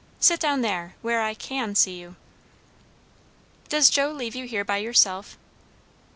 Sit down there, where I can see you." "Does Joe leave you here by yourself?"